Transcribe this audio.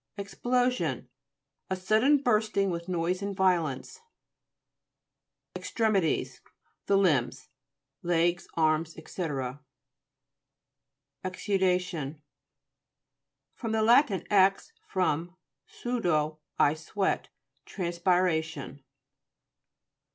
EXPLOSION A sudden bursting with noise and violence. EXTREMITIES The limbs ; legs, arms, &c. EXUDA'TIOST fr. lat. ex, from, sudo y I sweat. Transpiration.